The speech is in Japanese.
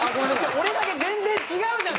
俺だけ全然違うじゃん！